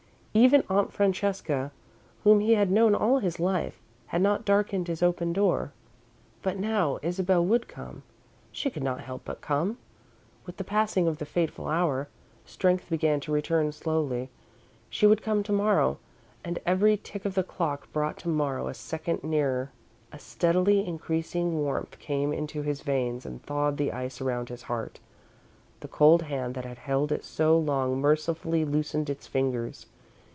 Even Aunt Francesca, whom he had known all his life, had not darkened his open door. But now, Isabel would come she could not help but come. With the passing of the fateful hour, strength began to return slowly. She would come to morrow, and every tick of the clock brought to morrow a second nearer. A steadily increasing warmth came into his veins and thawed the ice around his heart. The cold hand that had held it so long mercifully loosened its fingers.